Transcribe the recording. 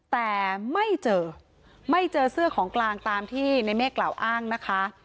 แต่ไม่เจอไม่เจอเสื้อของกลางตามที่ในเมฆกล่าวอ้างนะคะ